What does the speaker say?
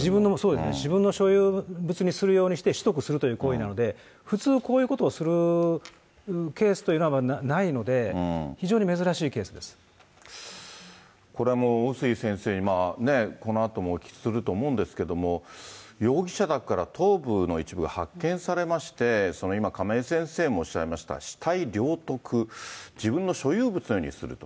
自分の所有物にするようにして取得するという行為なので、普通、こういうことをするケースというのはないので、非常に珍しいこれも碓井先生に、このあともお聞きすると思うんですけれども、容疑者宅から頭部の一部が発見されまして、今、亀井先生もおっしゃいました、死体領得、自分の所有物にすると。